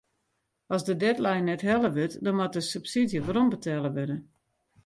As de deadline net helle wurdt dan moat de subsydzje werombetelle wurde.